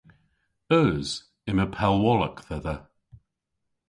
Eus. Yma pellwolok dhedha.